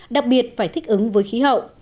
đặc biệt phải thích ứng với khí hậu